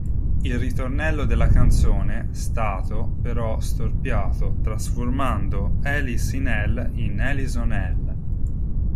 Il ritornello della canzone stato però storpiato, trasformando 'Alice in Hell' in 'Alison Hell'.